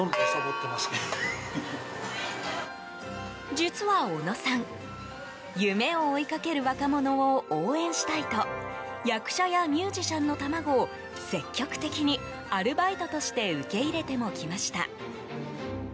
実は小野さん、夢を追いかける若者を応援したいと役者やミュージシャンの卵を積極的にアルバイトとして受け入れてもきました。